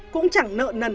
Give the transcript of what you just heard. cũng chẳng nợ nần